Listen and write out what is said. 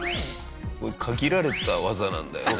限られた技なんだよね。